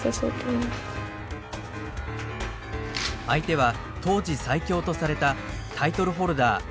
相手は当時最強とされたタイトルホルダー